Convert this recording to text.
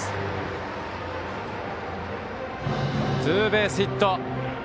ツーベースヒット。